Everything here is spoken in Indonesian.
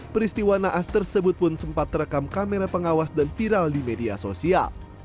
peristiwa naas tersebut pun sempat terekam kamera pengawas dan viral di media sosial